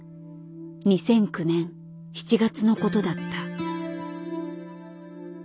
２００９年７月のことだった。